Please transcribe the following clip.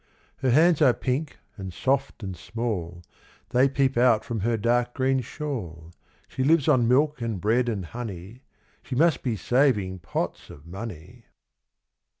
Her hands are pink, and soft, and small, They peep out from her dark green shawl. She lives on milk, and bread, and honey, She must be saving pots of money.